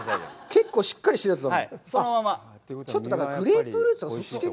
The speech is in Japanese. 結構しっかりしてるやつだ。